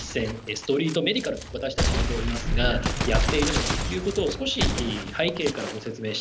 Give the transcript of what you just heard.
ストリート・メディカルと私たち呼んでおりますがやっているのかということを少し背景からご説明したいと思います。